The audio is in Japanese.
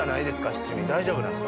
七味大丈夫なんですか？